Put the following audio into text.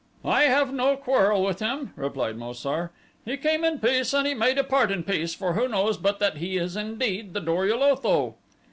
"I have no quarrel with him," replied Mo sar. "He came in peace and he may depart in peace, for who knows but that he is indeed the Dor ul Otho?"